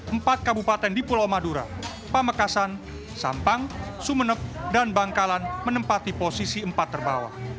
empat kabupaten di pulau madura pamekasan sampang sumeneb dan bangkalan menempati posisi empat terbawah